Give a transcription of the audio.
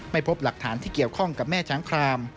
พบหลักฐานที่เกี่ยวข้องกับแม่ช้างคราม